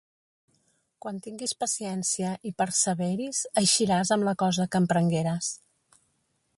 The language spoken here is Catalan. Quan tinguis paciència i perseveris, eixiràs amb la cosa que emprengueres.